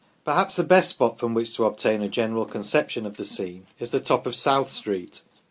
Perhaps the best spot from which to obtain a general conception of the scene is the top of South Street.